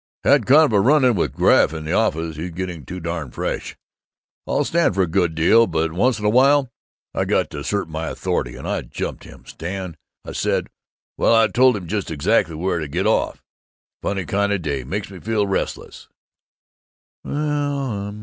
"Had kind of a run in with Graff in the office. He's getting too darn fresh. I'll stand for a good deal, but once in a while I got to assert my authority, and I jumped him. 'Stan,' I said Well, I told him just exactly where he got off. "Funny kind of a day. Makes you feel restless.